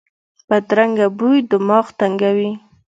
بدرنګه بوی دماغ تنګوي